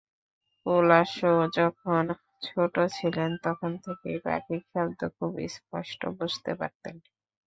কুলাসো যখন ছোট ছিলেন, তখন থেকেই পাখির শব্দ খুব স্পষ্ট বুঝতে পারতেন।